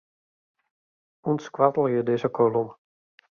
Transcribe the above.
Untskoattelje dizze kolom.